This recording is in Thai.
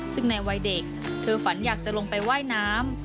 ซึ่งในวัยเด็กเธอฝันอยากจะลงไปว่ายน้ำ